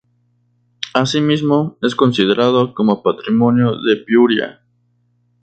Asimismo es considerado como patrimonio de Piura.